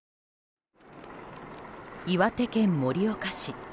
岩手県盛岡市。